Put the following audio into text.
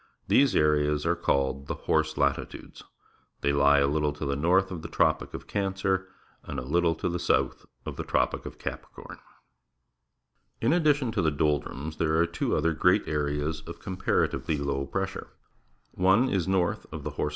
, These areas are called the Hor se Latitudes. They lie a little to the north of the Tropic of Cancer and a little to the south of the the Tropic of Capricorn. In addition to the doldrums, there are two other great areas of comparatively low pressure. One is north of the horse lati THE ATMOSPHERE, WINDS, AND RAIN 41 4+.